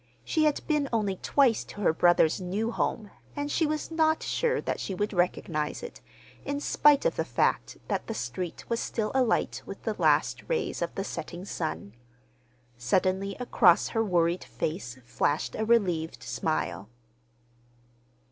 She had been only twice to her brother's new home, and she was not sure that she would recognize it, in spite of the fact that the street was still alight with the last rays of the setting sun. Suddenly across her worried face flashed a relieved smile.